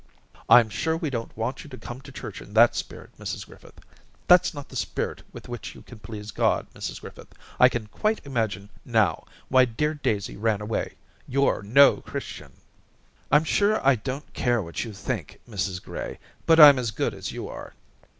* I'm sure we don't want you to come to church in that spirit, Mrs Griffith. That's not the spirit with which you can please God, Mrs Griffith. I can quite imagine now why dear Daisy ran away. YouVe no Christian.' * I'm sure I don't care what you think, Mrs Gray, but I'm as good as you are.'